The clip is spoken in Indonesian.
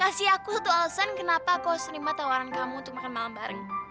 kasih aku satu alasan kenapa kau harus terima tawaran kamu untuk makan malam bareng